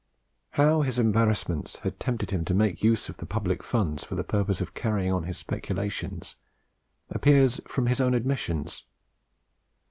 How his embarrassments had tempted him to make use of the public funds for the purpose of carrying on his speculations, appears from his own admissions.